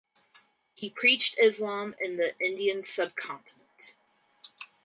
He preached Islam in the Indian subcontinent.